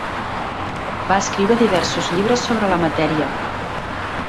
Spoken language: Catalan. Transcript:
Va escriure diversos llibres sobre la matèria.